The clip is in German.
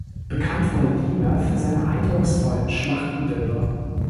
Bekannt wurde Diemer für seine eindrucksvollen Schlachtenbilder.